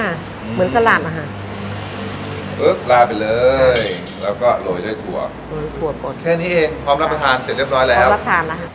แค่นี้เองพร้อมรับประทานเสร็จเรียบร้อยแล้วพร้อมรับทานแล้ว